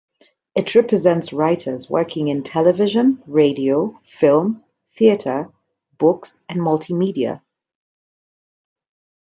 It represents writers working in television, radio, film, theatre, books and multimedia.